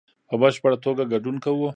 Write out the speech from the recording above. په بشپړ توګه ګډون کوو